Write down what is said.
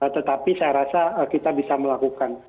tetapi saya rasa kita bisa melakukan